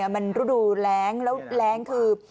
มันฤดูแรงแล้วแรงคือ